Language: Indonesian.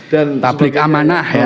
dan tablik amanah ya